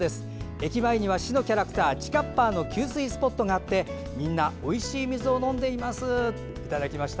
駅前には市のキャラクターちかっぱーの給水スポットがありみんなおいしい水を飲んでますといただきました。